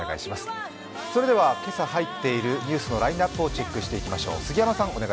それでは今朝はいっているニュースのラインナップをチェックしていきましょう。